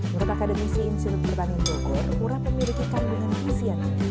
menurut akademisi insil pertanian bogor urap memiliki kandungan isian